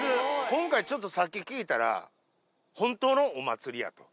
今回、ちょっと、さっき聞いたら、本当のお祭りやと。